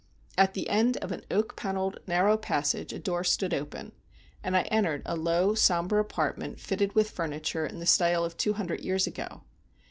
At the end of an oak panelled narrow passage a door stood open, and I entered a low, sombre apartment fitted with furniture in the style of two hundred years ago.